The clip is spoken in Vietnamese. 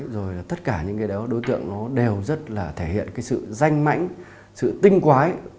rồi tất cả những đối tượng đều rất là thể hiện sự danh mảnh sự tinh quái